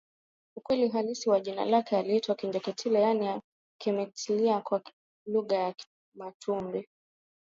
ukweli halisi wa jina lake aliitwa Kinjeketile yaani kimeniitikia kwa lugha ya Kimatumbi